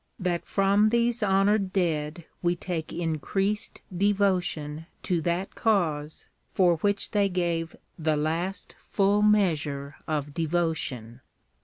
. .that from these honored dead we take increased devotion to that cause for which they gave the last full measure of devotion.